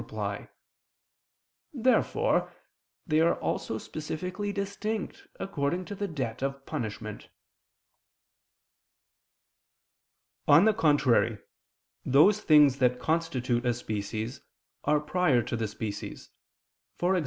Therefore they are also specifically distinct according to the debt of punishment. On the contrary, Those things that constitute a species are prior to the species, e.g.